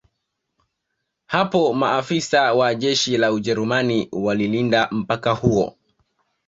Hapo maafisa wa jeshi la Wajerumani walilinda mpaka huo